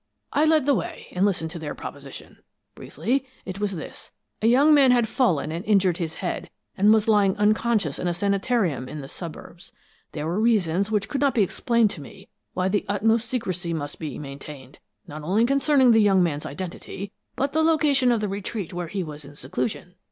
"I led the way, and listened to their proposition. Briefly, it was this: a young man had fallen and injured his head, and was lying unconscious in a sanitarium in the suburbs. There were reasons which could not be explained to me, why the utmost secrecy must be maintained, not only concerning the young man's identity, but the location of the retreat where he was in seclusion.